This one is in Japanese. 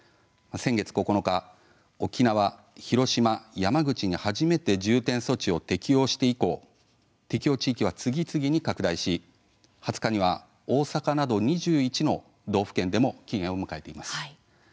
先月９日、沖縄・広島・山口に初めて重点措置を適用して以降適用地域は次々に拡大し２０日には大阪など２１の道府県でも期限を迎えます。